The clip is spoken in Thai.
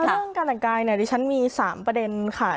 เรื่องการแต่งกายเนี่ยดิฉันมี๓ประเด็นค่ะ